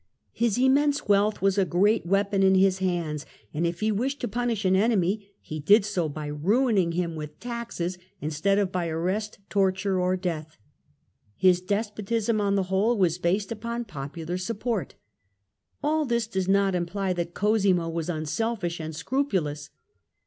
His immense ITALY, 1382 1453 201 wealth was a great weapon in his hands ; and if he wished to punish an enemy he did so by ruining him with taxes, instead of by arrest, torture, or death. His des potism, on the whole, was based upon popular support. All this does not imply that Cosimo was unselfish and scrupulous.